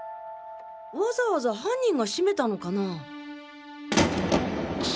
わざわざ犯人が閉めたのかな？